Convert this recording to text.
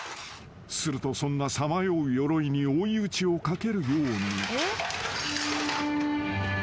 ［するとそんなさまようヨロイに追い打ちをかけるように］